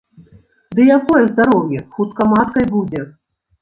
Ды якое здароўе, хутка маткай будзе!